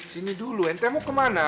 sini dulu enteng mau kemana